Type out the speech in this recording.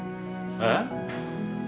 えっ？